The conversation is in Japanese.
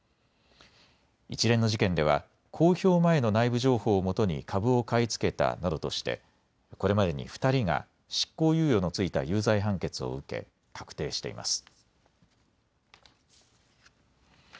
一連の事件では公表前の内部情報をもとに株を買い付けたなどとしてこれまでに２人が執行猶予の付いた有罪判決を受け確定しています。